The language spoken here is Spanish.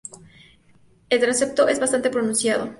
El transepto es bastante pronunciado.